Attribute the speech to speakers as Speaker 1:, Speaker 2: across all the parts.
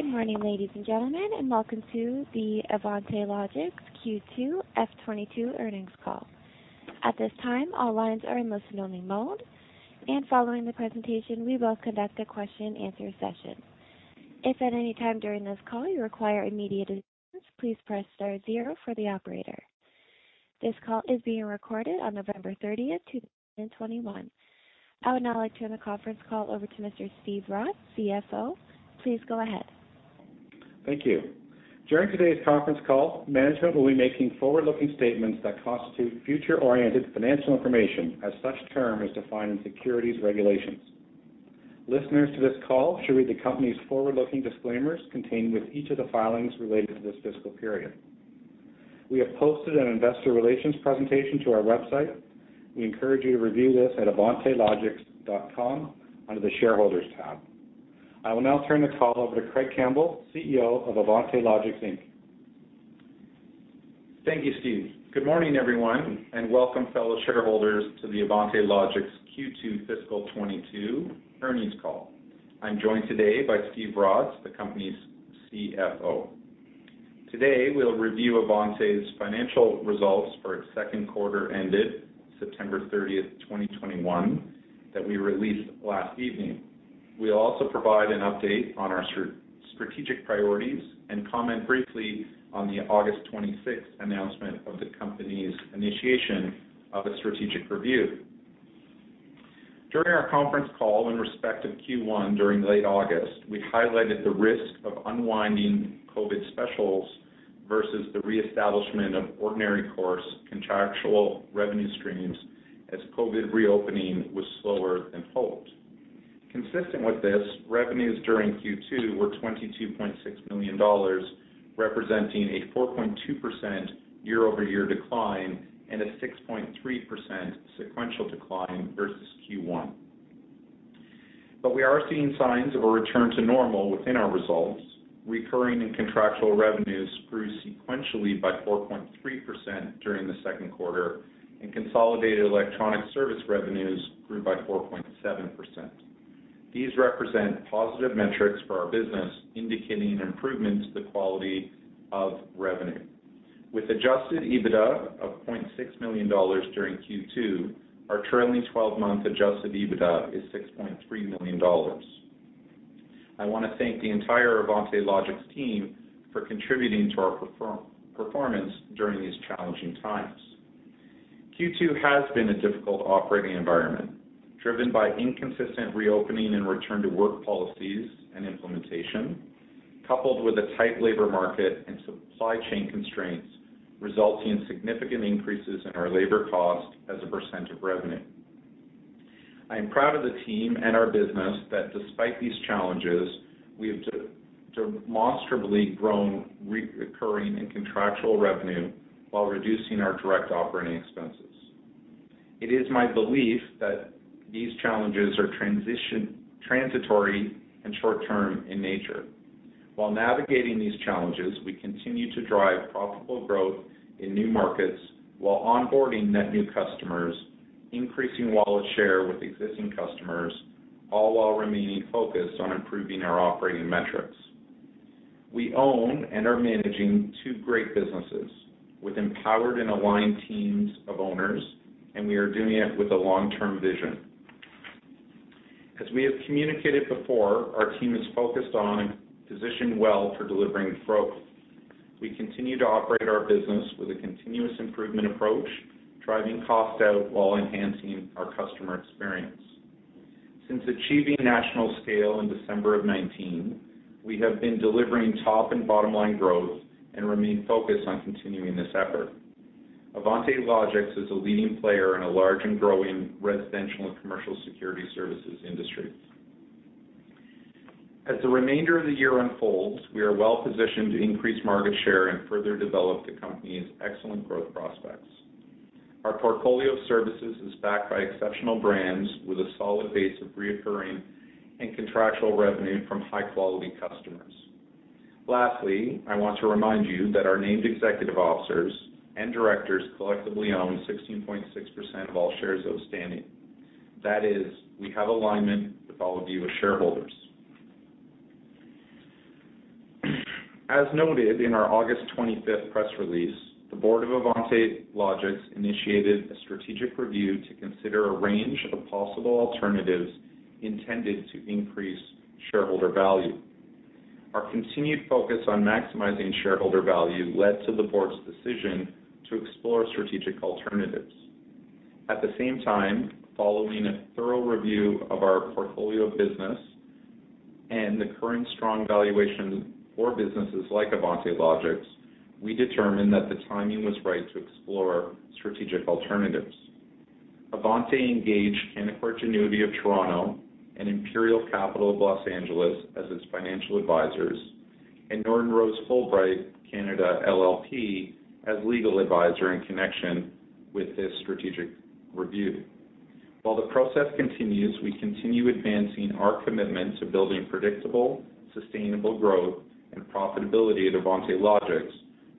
Speaker 1: Good morning, ladies and gentlemen, and welcome to the Avante Logixx Q2 F22 earnings call. At this time, all lines are in listen-only mode, and following the presentation, we will conduct a question and answer session. If at any time during this call you require immediate assistance, please press star zero for the operator. This call is being recorded on November 30th, 2021. I would now like to turn the conference call over to Mr. Steve Rotz, CFO. Please go ahead.
Speaker 2: Thank you. During today's conference call, management will be making forward-looking statements that constitute future-oriented financial information as such term is defined in securities regulations. Listeners to this call should read the company's forward-looking disclaimers contained within each of the filings related to this fiscal period. We have posted an investor relations presentation to our website. We encourage you to review this at avantelogixx.com under the Shareholders tab. I will now turn the call over to Craig Campbell, CEO of Avante Logixx Inc.
Speaker 3: Thank you, Steve. Good morning, everyone, and welcome fellow shareholders to the Avante Logixx Q2 fiscal 2022 earnings call. I'm joined today by Steve Rotz, the company's CFO. Today, we'll review Avante Logixx's financial results for its second quarter ended September 30th, 2021, that we released last evening. We'll also provide an update on our strategic priorities and comment briefly on the August 26th announcement of the company's initiation of a strategic review. During our conference call in respect of Q1 during late August, we highlighted the risk of unwinding COVID specials versus the reestablishment of ordinary course contractual revenue streams as COVID reopening was slower than hoped. Consistent with this, revenues during Q2 were 22.6 million dollars, representing a 4.2% year-over-year decline and a 6.3% sequential decline versus Q1. We are seeing signs of a return to normal within our results. Recurring and contractual revenues grew sequentially by 4.3% during the second quarter, and consolidated electronic service revenues grew by 4.7%. These represent positive metrics for our business, indicating improvements to the quality of revenue. With adjusted EBITDA of 0.6 million dollars during Q2, our trailing twelve-month adjusted EBITDA is 6.3 million dollars. I wanna thank the entire Avante Logixx team for contributing to our performance during these challenging times. Q2 has been a difficult operating environment, driven by inconsistent reopening and return to work policies and implementation, coupled with a tight labor market and supply chain constraints, resulting in significant increases in our labor cost as a percent of revenue. I am proud of the team and our business that despite these challenges, we have demonstrably grown recurring and contractual revenue while reducing our direct operating expenses. It is my belief that these challenges are transitory and short-term in nature. While navigating these challenges, we continue to drive profitable growth in new markets while onboarding net new customers, increasing wallet share with existing customers, all while remaining focused on improving our operating metrics. We own and are managing two great businesses with empowered and aligned teams of owners, and we are doing it with a long-term vision. As we have communicated before, our team is focused on and positioned well for delivering growth. We continue to operate our business with a continuous improvement approach, driving cost out while enhancing our customer experience. Since achieving national scale in December 2019, we have been delivering top and bottom line growth and remain focused on continuing this effort. Avante Logixx is a leading player in a large and growing residential and commercial security services industry. As the remainder of the year unfolds, we are well-positioned to increase market share and further develop the company's excellent growth prospects. Our portfolio of services is backed by exceptional brands with a solid base of recurring and contractual revenue from high-quality customers. Lastly, I want to remind you that our named executive officers and directors collectively own 16.6% of all shares outstanding. That is, we have alignment with all of you as shareholders. As noted in our August 25th press release, the Board of Avante Logixx initiated a strategic review to consider a range of possible alternatives intended to increase shareholder value. Our continued focus on maximizing shareholder value led to the board's decision to explore strategic alternatives. At the same time, following a thorough review of our portfolio of business and the current strong valuation for businesses like Avante Logixx, we determined that the timing was right to explore strategic alternatives. Avante Logixx engaged Canaccord Genuity of Toronto and Imperial Capital of Los Angeles as its financial advisors and Norton Rose Fulbright Canada LLP as legal advisor in connection with this strategic review. While the process continues, we continue advancing our commitment to building predictable, sustainable growthability at Avante Logixx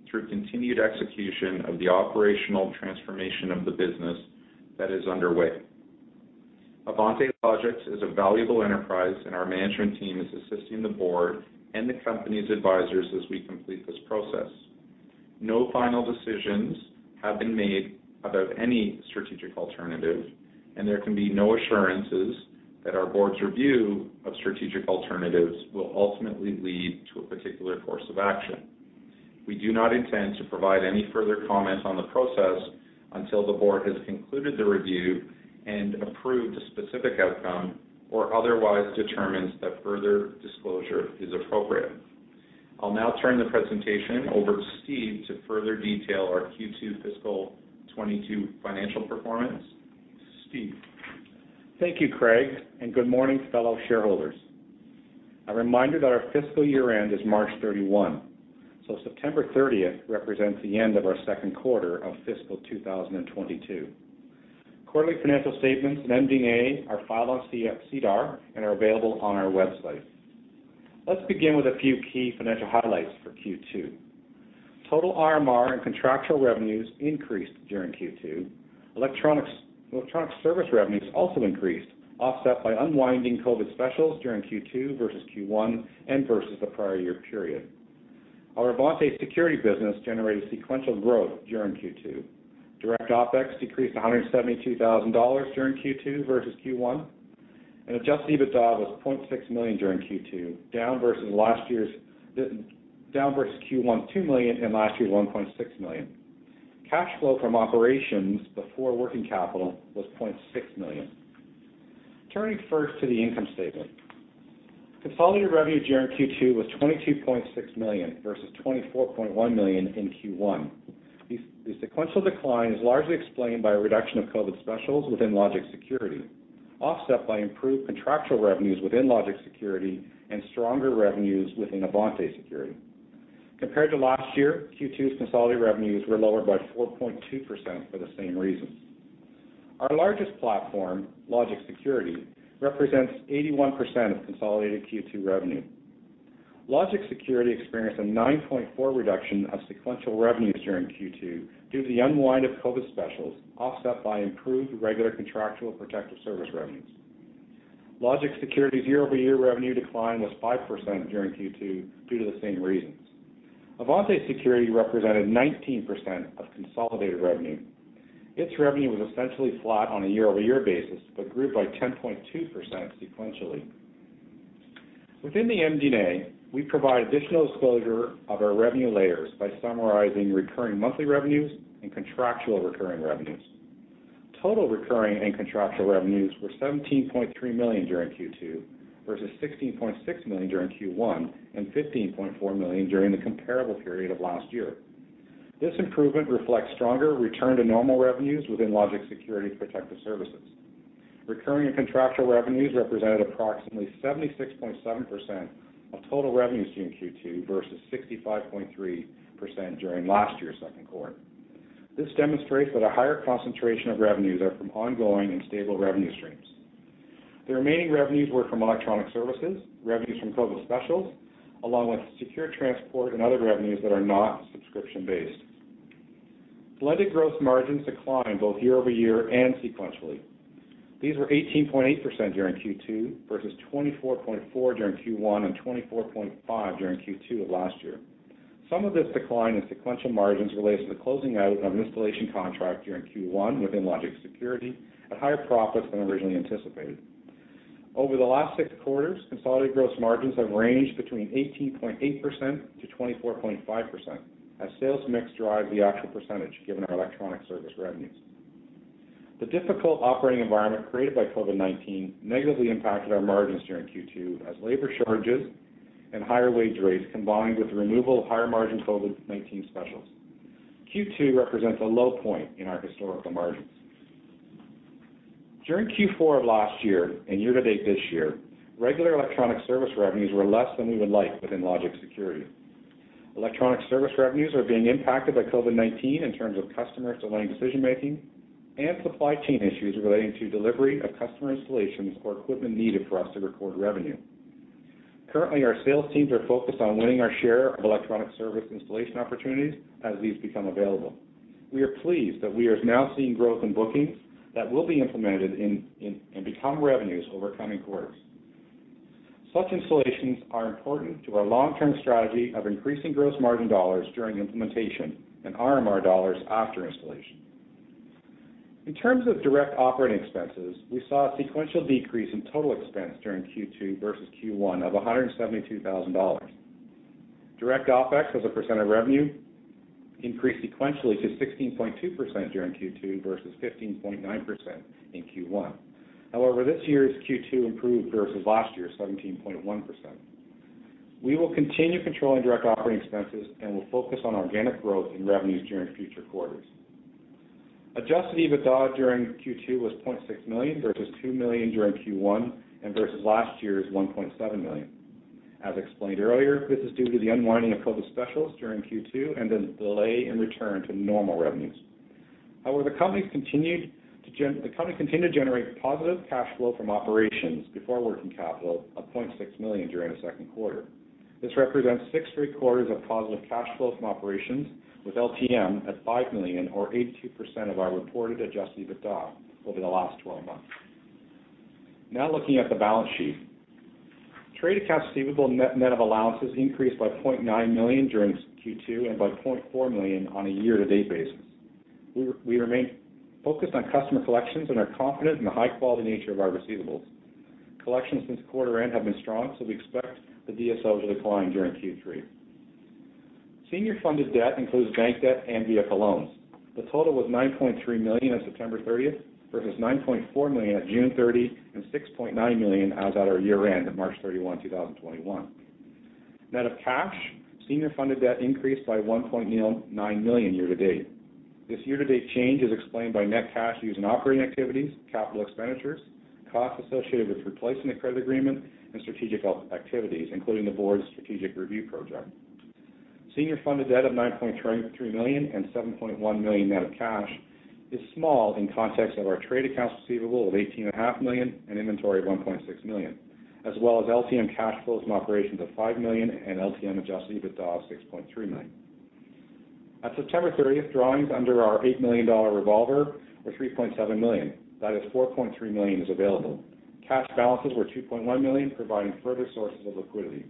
Speaker 3: through continued execution of the operational transformation of the business that is underway. Avante Logixx is a valuable enterprise, and our management team is assisting the board and the company's advisors as we complete this process. No final decisions have been made about any strategic alternative, and there can be no assurances that our board's review of strategic alternatives will ultimately lead to a particular course of action. We do not intend to provide any further comments on the process until the board has concluded the review and approved a specific outcome or otherwise determines that further disclosure is appropriate. I'll now turn the presentation over to Steve to further detail our Q2 fiscal 2022 financial performance. Steve?
Speaker 2: Thank you, Craig, and good morning, fellow shareholders. A reminder that our fiscal year-end is March 31, so September 30th represents the end of our second quarter of fiscal 2022. Quarterly financial statements and MD&A are filed on SEDAR and are available on our website. Let's begin with a few key financial highlights for Q2. Total RMR and contractual revenues increased during Q2. Electronic service revenues also increased, offset by unwinding COVID specials during Q2 versus Q1 and versus the prior year period. Our Avante Security business generated sequential growth during Q2. Direct OPEX decreased 172,000 dollars during Q2 versus Q1, and adjusted EBITDA was 0.6 million during Q2, down versus Q1, 2 million and last year's 1.6 million. Cash flow from operations before working capital was 0.6 million. Turning first to the income statement. Consolidated revenue during Q2 was 22.6 million, versus 24.1 million in Q1. The sequential decline is largely explained by a reduction of COVID specials within Logixx Security, offset by improved contractual revenues within Logixx Security and stronger revenues within Avante Security. Compared to last year, Q2's consolidated revenues were lower by 4.2% for the same reasons. Our largest platform, Logixx Security, represents 81% of consolidated Q2 revenue. Logixx Security experienced a 9.4% reduction of sequential revenues during Q2 due to the unwind of COVID specials, offset by improved regular contractual protective service revenues. Logixx Security's year-over-year revenue decline was 5% during Q2 due to the same reasons. Avante Security represented 19% of consolidated revenue. Its revenue was essentially flat on a year-over-year basis but grew by 10.2% sequentially. Within the MD&A, we provide additional disclosure of our revenue layers by summarizing recurring monthly revenues and contractual recurring revenues. Total recurring and contractual revenues were 17.3 million during Q2 versus 16.6 million during Q1 and 15.4 million during the comparable period of last year. This improvement reflects stronger return to normal revenues within Logixx Security protective services. Recurring and contractual revenues represented approximately 76.7% of total revenues during Q2 versus 65.3% during last year's second quarter. This demonstrates that a higher concentration of revenues are from ongoing and stable revenue streams. The remaining revenues were from electronic services, revenues from COVID specials, along with secure transport and other revenues that are not subscription-based. Diluted gross margins declined both year-over-year and sequentially. These were 18.8% during Q2 versus 24.4% during Q1 and 24.5% during Q2 of last year. Some of this decline in sequential margins relates to the closing out of an installation contract during Q1 within Logixx Security at higher profits than originally anticipated. Over the last six quarters, consolidated gross margins have ranged between 18.8%-24.5% as sales mix drives the actual percentage given our electronic service revenues. The difficult operating environment created by COVID-19 negatively impacted our margins during Q2 as labor shortages and higher wage rates combined with the removal of higher margin COVID-19 specials. Q2 represents a low point in our historical margins. During Q4 of last year and year to date this year, regular electronic service revenues were less than we would like within Logixx Security. Electronic service revenues are being impacted by COVID-19 in terms of customers delaying decision-making and supply chain issues relating to delivery of customer installations or equipment needed for us to record revenue. Currently, our sales teams are focused on winning our share of electronic service installation opportunities as these become available. We are pleased that we are now seeing growth in bookings that will be implemented and become revenues over coming quarters. Such installations are important to our long-term strategy of increasing gross margin dollars during implementation and RMR dollars after installation. In terms of direct operating expenses, we saw a sequential decrease in total expense during Q2 versus Q1 of 172,000 dollars. Direct OPEX as a % of revenue increased sequentially to 16.2% during Q2 versus 15.9% in Q1. However, this year's Q2 improved versus last year's 17.1%. We will continue controlling direct operating expenses and will focus on organic growth in revenues during future quarters. Adjusted EBITDA during Q2 was 0.6 million versus 2 million during Q1 and versus last year's 1.7 million. As explained earlier, this is due to the unwinding of COVID specials during Q2 and the delay in return to normal revenues. However, the company continued to generate positive cash flow from operations before working capital of 0.6 million during the second quarter. This represents six straight quarters of positive cash flow from operations with LTM at 5 million or 82% of our reported adjusted EBITDA over the last twelve months. Now looking at the balance sheet. Trade accounts receivable net of allowances increased by 0.9 million during Q2 and by 0.4 million on a year-to-date basis. We remain focused on customer collections and are confident in the high-quality nature of our receivables. Collections since quarter end have been strong, so we expect the DSO to decline during Q3. Senior funded debt includes bank debt and vehicle loans. The total was 9.3 million on September 30th versus 9.4 million at June 30 and 6.9 million as at our year-end of March 31, 2021. Net of cash, senior funded debt increased by 1.9 million year-to-date. This year-to-date change is explained by net cash used in operating activities, capital expenditures, costs associated with replacing the credit agreement and strategic activities, including the board's strategic review project. Senior funded debt of 9.3 million and 7.1 million net of cash is small in context of our trade accounts receivable of 18.5 million and inventory of 1.6 million, as well as LTM cash flows from operations of 5 million and LTM adjusted EBITDA of dollars 6.3 million. At September 30th, drawings under our 8 million dollar revolver were 3.7 million. That is, 4.3 million is available. Cash balances were 2.1 million, providing further sources of liquidity.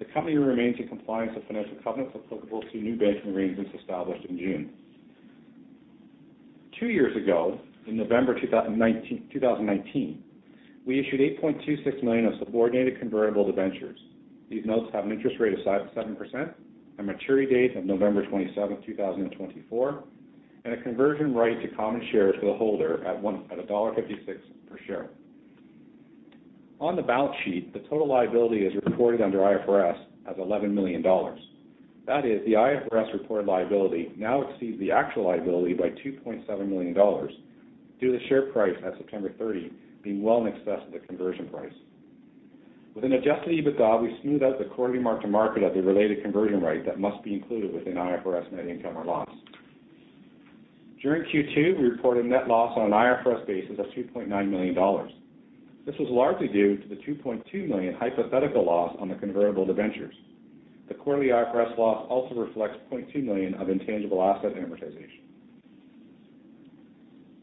Speaker 2: The company remains in compliance with financial covenants applicable to new banking arrangements established in June two years ago, in November 2019, we issued 8.26 million of subordinated convertible debentures. These notes have an interest rate of 7%, a maturity date of November 27th, 2024, and a conversion right to common shares to the holder at 1.56 dollar per share. On the balance sheet, the total liability is reported under IFRS as 11 million dollars. That is, the IFRS reported liability now exceeds the actual liability by 2.7 million dollars due to the share price at September 30 being well in excess of the conversion price. With an adjusted EBITDA, we smooth out the quarterly mark-to-market of the related conversion rate that must be included within IFRS net income or loss. During Q2, we reported net loss on an IFRS basis of 2.9 million dollars. This was largely due to the 2.2 million hypothetical loss on the convertible debentures. The quarterly IFRS loss also reflects 0.2 million of intangible asset amortization.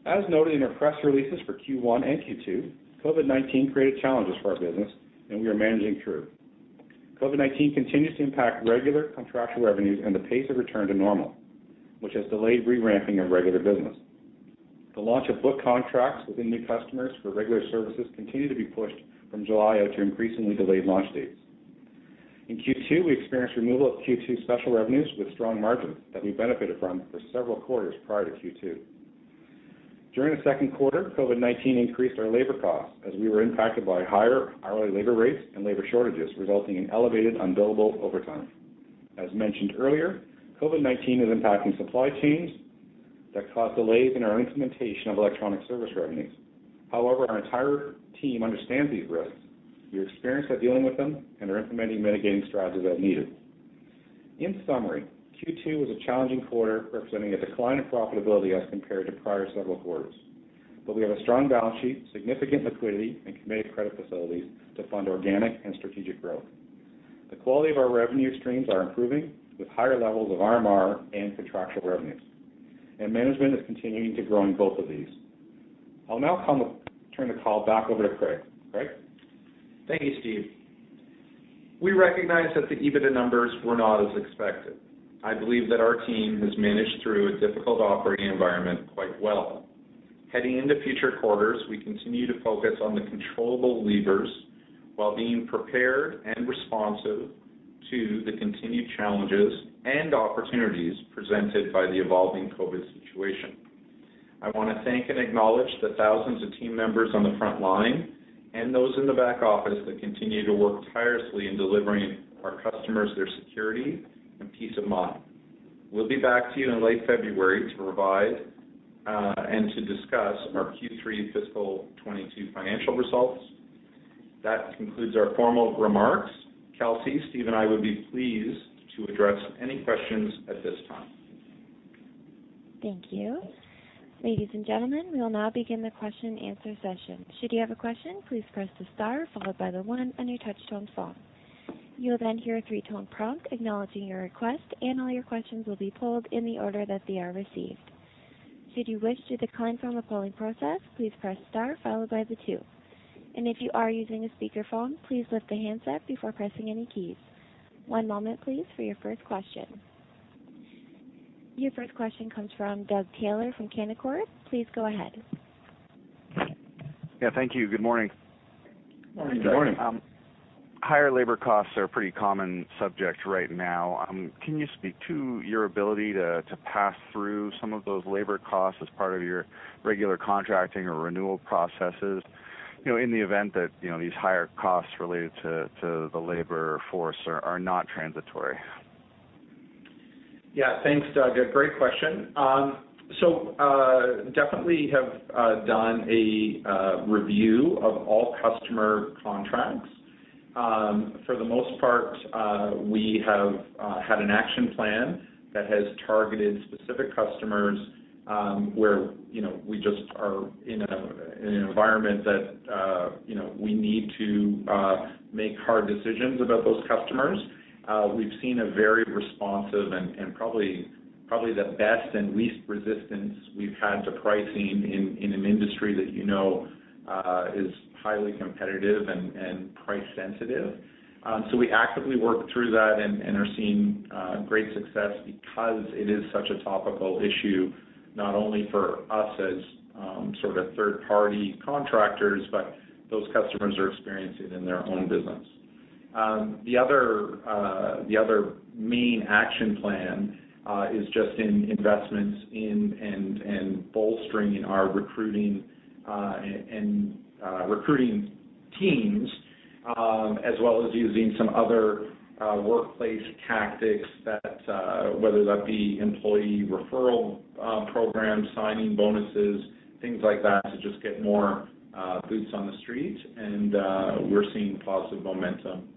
Speaker 2: As noted in our press releases for Q1 and Q2, COVID-19 created challenges for our business, and we are managing through. COVID-19 continues to impact regular contractual revenues and the pace of return to normal, which has delayed re-ramping of regular business. The launch of book contracts within new customers for regular services continue to be pushed from July out to increasingly delayed launch dates. In Q2, we experienced removal of Q2 special revenues with strong margins that we benefited from for several quarters prior to Q2. During the second quarter, COVID-19 increased our labor costs as we were impacted by higher hourly labor rates and labor shortages, resulting in elevated unbillable overtime. As mentioned earlier, COVID-19 is impacting supply chains that cause delays in our implementation of electronic service revenues. However, our entire team understands these risks. We are experienced at dealing with them and are implementing mitigating strategies as needed. In summary, Q2 was a challenging quarter, representing a decline in profitability as compared to prior several quarters. We have a strong balance sheet, significant liquidity, and committed credit facilities to fund organic and strategic growth. The quality of our revenue streams are improving with higher levels of RMR and contractual revenues, and management is continuing to grow in both of these. I'll now turn the call back over to Craig. Craig?
Speaker 3: Thank you, Steve. We recognize that the EBITDA numbers were not as expected. I believe that our team has managed through a difficult operating environment quite well. Heading into future quarters, we continue to focus on the controllable levers while being prepared and responsive to the continued challenges and opportunities presented by the evolving COVID situation. I wanna thank and acknowledge the thousands of team members on the front line and those in the back office that continue to work tirelessly in delivering our customers their security and peace of mind. We'll be back to you in late February to provide and to discuss our Q3 fiscal 2022 financial results. That concludes our formal remarks. Kelsey, Steve, and I would be pleased to address any questions at this time.
Speaker 1: Thank you. Ladies and gentlemen, we will now begin the question and answer session. Should you have a question, please press the star followed by the one on your touch-tone phone. You will then hear a three-tone prompt acknowledging your request, and all your questions will be pulled in the order that they are received. Should you wish to decline from the polling process, please press star followed by the two. If you are using a speakerphone, please lift the handset before pressing any keys. One moment, please, for your first question. Your first question comes from Doug Taylor from Canaccord. Please go ahead.
Speaker 4: Yeah, thank you. Good morning.
Speaker 3: Good morning.
Speaker 4: Higher labor costs are a pretty common subject right now. Can you speak to your ability to pass through some of those labor costs as part of your regular contracting or renewal processes, you know, in the event that, you know, these higher costs related to the labor force are not transitory?
Speaker 3: Yeah. Thanks, Doug. A great question. We definitely have done a review of all customer contracts. For the most part, we have had an action plan that has targeted specific customers, where you know, we just are in an environment that you know, we need to make hard decisions about those customers. We've seen a very responsive and probably the best and least resistance we've had to pricing in an industry that you know is highly competitive and price sensitive. We actively work through that and are seeing great success because it is such a topical issue, not only for us as sort of third-party contractors, but those customers are experiencing in their own business. The other main action plan is just in investments in and bolstering our recruiting teams as well as using some other workplace tactics that whether that be employee referral programs, signing bonuses, things like that, to just get more boots on the street and we're seeing positive momentum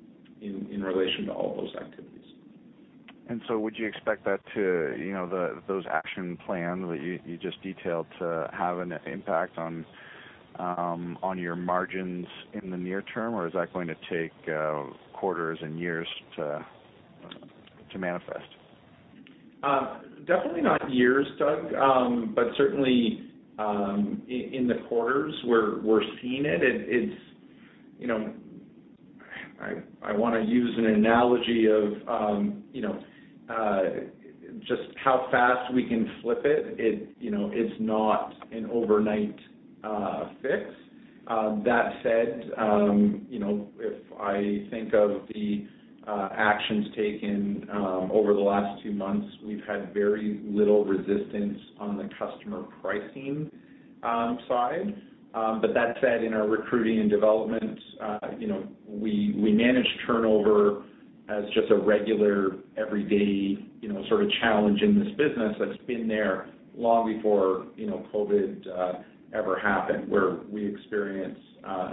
Speaker 3: in relation to all those activities.
Speaker 4: Would you expect that to, you know, those action plan that you just detailed to have an impact on your margins in the near term, or is that going to take quarters and years to manifest?
Speaker 3: Definitely not years, Doug. Certainly, in the quarters we're seeing it. It's, you know. I wanna use an analogy of, you know, just how fast we can flip it. It, you know, it's not an overnight fix. That said, you know, if I think of the actions taken over the last two months, we've had very little resistance on the customer pricing side. That said, in our recruiting and development, you know, we manage turnover as just a regular, everyday, you know, sort of challenge in this business that's been there long before, you know, COVID ever happened, where we experience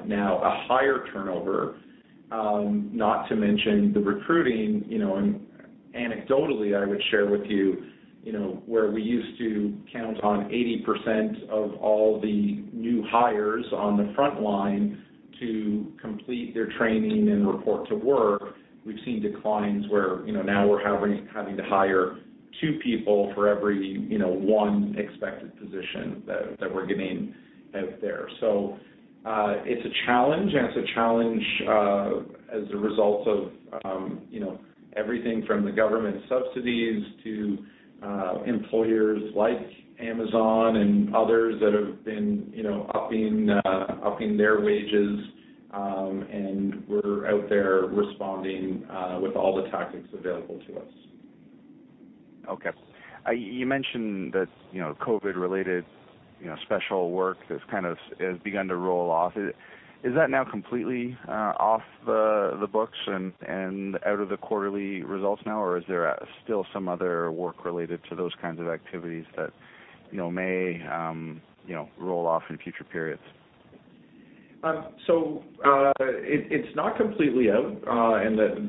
Speaker 3: now a higher turnover. Not to mention the recruiting, you know, and anecdotally, I would share with you know, where we used to count on 80% of all the new hires on the front line to complete their training and report to work, we've seen declines where, you know, now we're having to hire two people for every, you know, one expected position that we're getting out there. It's a challenge as a result of, you know, everything from the government subsidies to employers like Amazon and others that have been, you know, upping their wages. We're out there responding with all the tactics available to us.
Speaker 4: Okay. You mentioned that, you know, COVID related, you know, special work that's kind of has begun to roll off. Is that now completely off the books and out of the quarterly results now, or is there still some other work related to those kinds of activities that, you know, may you know roll off in future periods?
Speaker 3: It's not completely out.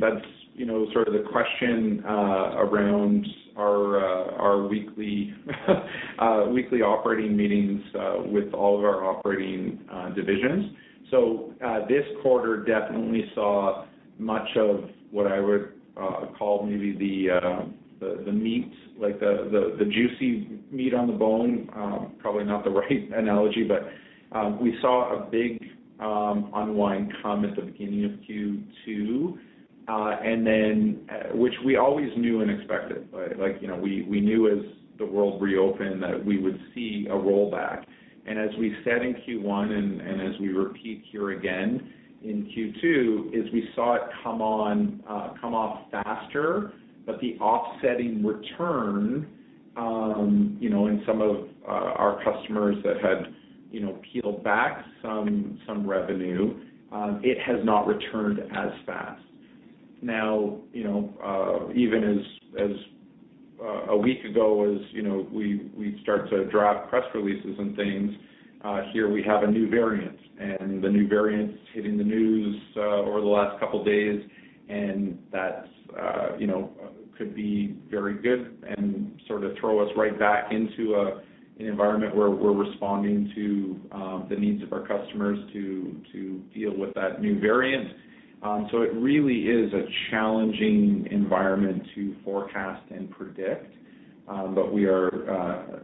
Speaker 3: That's you know sort of the question around our weekly operating meetings with all of our operating divisions. This quarter definitely saw much of what I would call maybe the meat like the juicy meat on the bone. Probably not the right analogy, but we saw a big unwind come at the beginning of Q2. Then which we always knew and expected, but like you know we knew as the world reopened that we would see a rollback. As we said in Q1 and as we repeat here again in Q2, we saw it come off faster, but the offsetting return, you know, in some of our customers that had, you know, peeled back some revenue, it has not returned as fast. Now, you know, even as a week ago, you know, we start to draft press releases and things, here we have a new variant and the new variant's hitting the news over the last couple days, and that's, you know, could be very good and sort of throw us right back into an environment where we're responding to the needs of our customers to deal with that new variant. It really is a challenging environment to forecast and predict. We are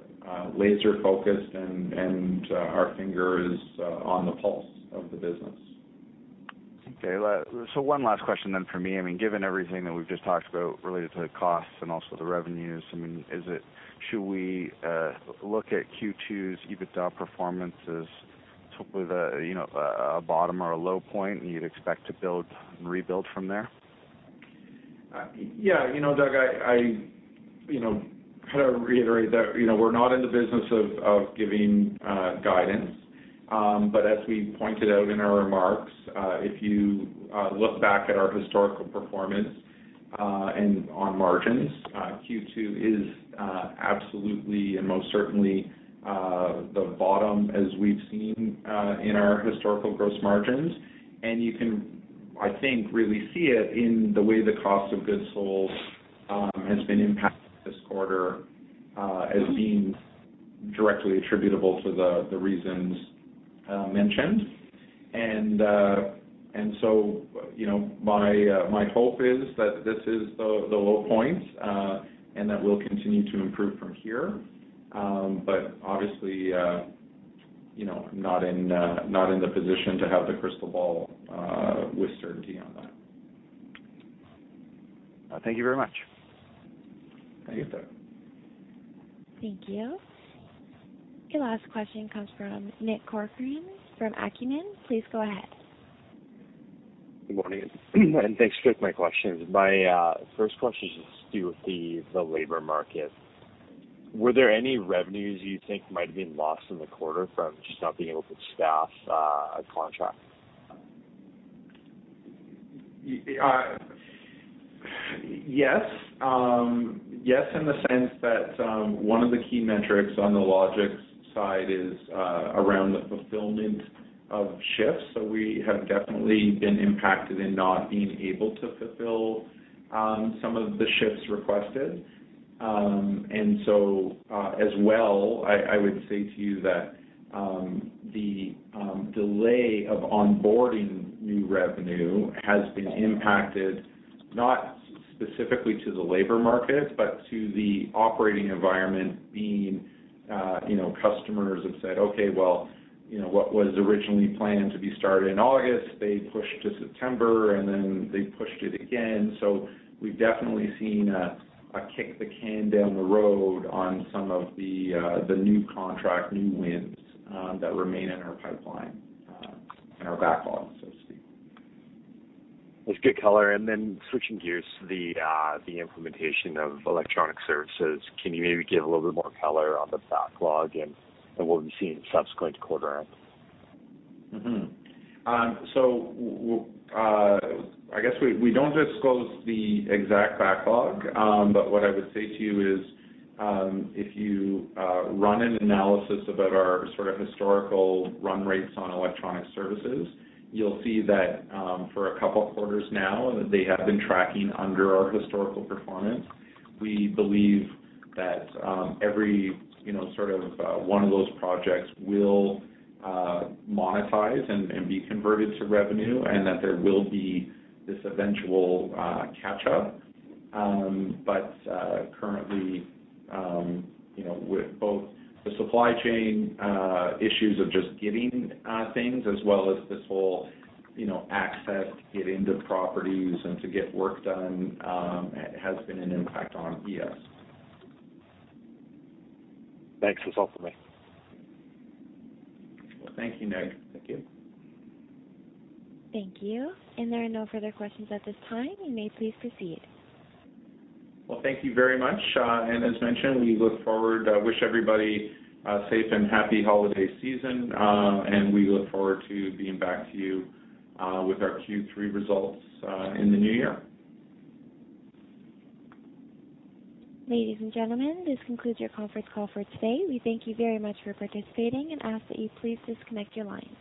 Speaker 3: laser focused and our finger is on the pulse of the business.
Speaker 4: Okay. One last question then from me. I mean, given everything that we've just talked about related to the costs and also the revenues, I mean, should we look at Q2's EBITDA performance as sort of the, you know, a bottom or a low point, and you'd expect to rebuild from there?
Speaker 3: Yeah. You know, Doug, I kind of reiterate that, you know, we're not in the business of giving guidance. But as we pointed out in our remarks, if you look back at our historical performance and on margins, Q2 is absolutely and most certainly the bottom as we've seen in our historical gross margins. You can, I think, really see it in the way the cost of goods sold has been impacted this quarter as being directly attributable to the reasons mentioned. You know, my hope is that this is the low point and that we'll continue to improve from here. But obviously, you know, not in the position to have the crystal ball with certainty on that.
Speaker 4: Thank you very much.
Speaker 3: Thank you, sir.
Speaker 1: Thank you. Your last question comes from Nick Corcoran from Acumen. Please go ahead.
Speaker 5: Good morning, and thanks for taking my questions. My first question is just to do with the labor market. Were there any revenues you think might have been lost in the quarter from just not being able to staff a contract?
Speaker 3: Yes. Yes, in the sense that, one of the key metrics on the Logixx side is around the fulfillment of shifts. We have definitely been impacted in not being able to fulfill some of the shifts requested. As well, I would say to you that the delay of onboarding new revenue has been impacted, not specifically to the labor market, but to the operating environment being, you know, customers have said, "Okay, well," you know, what was originally planned to be started in August, they pushed to September, and then they pushed it again. We've definitely seen a kick the can down the road on some of the new contract, new wins that remain in our pipeline, in our backlog, so to speak.
Speaker 5: That's good color. Switching gears to the implementation of electronic services, can you maybe give a little bit more color on the backlog and what we've seen in subsequent quarter on?
Speaker 3: I guess we don't disclose the exact backlog. What I would say to you is, if you run an analysis about our sort of historical run rates on electronic services, you'll see that for a couple of quarters now, they have been tracking under our historical performance. We believe that every, you know, sort of one of those projects will monetize and be converted to revenue and that there will be this eventual catch-up. Currently, you know, with both the supply chain issues of just getting things as well as this whole, you know, access to get into properties and to get work done, has been an impact on ES.
Speaker 5: Thanks. That's all for me.
Speaker 3: Well, thank you, Nick. Thank you.
Speaker 1: Thank you. There are no further questions at this time. You may please proceed.
Speaker 3: Well, thank you very much. As mentioned, I wish everybody a safe and happy holiday season, and we look forward to being back to you with our Q3 results in the new year.
Speaker 1: Ladies and gentlemen, this concludes your conference call for today. We thank you very much for participating and ask that you please disconnect your lines.